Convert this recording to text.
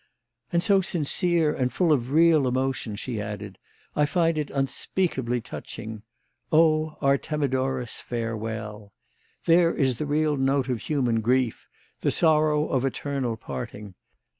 "And so sincere and full of real emotion," she added. "I find it unspeakably touching. 'O Artemidorus, farewell!' There is the real note of human grief, the sorrow of eternal parting.